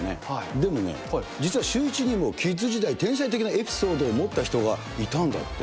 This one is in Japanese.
でもね、実はシューイチにもキッズ時代、天才的なエピソードを持った人がいたんだって。